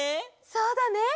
そうだね。